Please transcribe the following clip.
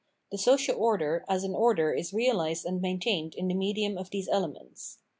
The social order as an order is realised and maintained in the medium of these elements.